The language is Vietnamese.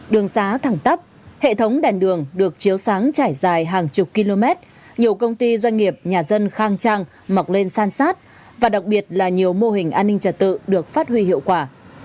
đường xá thẳng tắp hệ thống đèn đường được chiếu sáng trải dài hàng chục km nhiều công ty doanh nghiệp nhà dân khang trang mọc lên san sát và đặc biệt là nhiều mô hình an ninh trật tự được phát huy hiệu quả